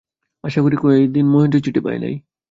আশা কয়দিন মহেন্দ্রের চিঠি পায় নাই।